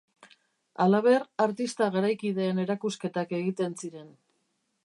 Halaber, artista garaikideen erakusketak egiten ziren.